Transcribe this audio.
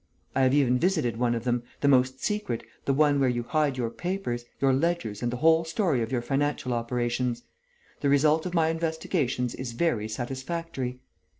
I have even visited one of them, the most secret, the one where you hide your papers, your ledgers and the whole story of your financial operations. The result of my investigations is very satisfactory.